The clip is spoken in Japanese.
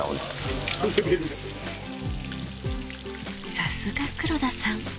さすが黒田さん！